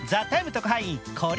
特派員こり